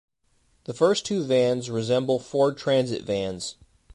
The first two vans resemble Ford Transit Vans.